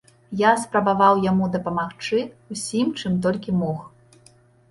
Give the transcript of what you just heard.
Я спрабаваў яму дапамагчы ўсім, чым толькі мог.